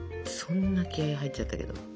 そんな気合い入っちゃったけど。